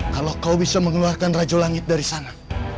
kalau kau bisa mengeluarkan rajo langit dari sana